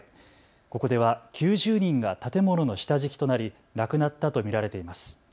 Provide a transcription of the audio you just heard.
ここでは９０人が建物の下敷きとなり亡くなったと見られています。